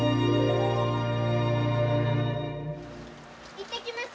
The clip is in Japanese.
行ってきます。